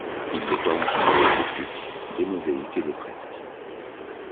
Il décore l'ensemble avec des stucs, des mosaïques et des fresques.